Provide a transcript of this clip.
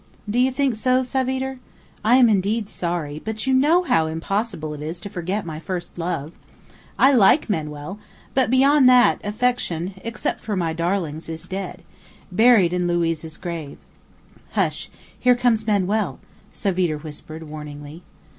"Do you think so, Savitre? I am indeed sorry; but you know how impossible it is to forget my first love. I like Manuel, but beyond that, affection except for my darlings is dead; buried in Luiz's grave." "Hush! here comes Manuel," Savitre whispered, warningly.